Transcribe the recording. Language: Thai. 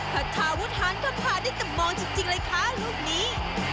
ทาวุฒานก็คาได้แต่มองจริงเลยค่ะลูกนี้